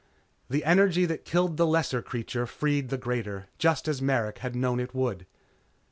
The energy that killed the lesser creature freed the greater just as Merrick had known it would.